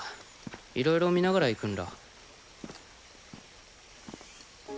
いろいろ見ながら行くんら。